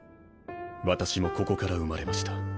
私もここから生まれました。